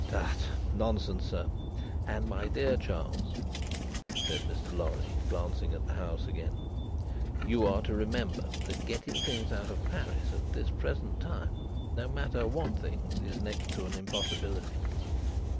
"Tut! Nonsense, sir! And, my dear Charles," said Mr. Lorry, glancing at the House again, "you are to remember, that getting things out of Paris at this present time, no matter what things, is next to an impossibility.